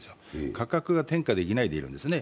価格が転嫁できないでいるんですね。